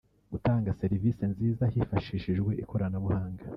gutanga serivisi nziza hifashishijwe ikoranabunga